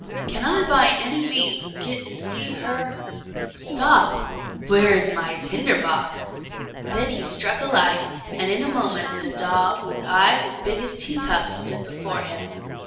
Can I by any means get to see her. Stop! where is my tinder box?" Then he struck a light, and in a moment the dog, with eyes as big as teacups, stood before him.